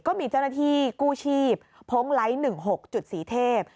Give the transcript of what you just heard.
ก็มีเจ้าหน้าที่กู้ชีพพงไลท์๑๖จุดสีเทพ